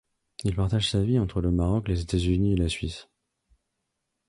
Il partage sa vie entre le Maroc, les États-Unis et la Suisse.